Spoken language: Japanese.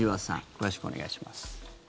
詳しくお願いします。